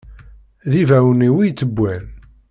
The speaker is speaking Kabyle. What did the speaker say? D ibawen-iw, i ittewwan!